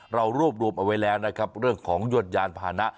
เรารวบรวมเอาไว้แล้วนะครับเรื่องของยวดยานพานะ